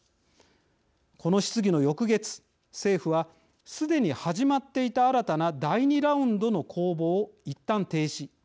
この質疑の翌月政府は、すでに始まっていた新たな第２ラウンドの公募をいったん停止。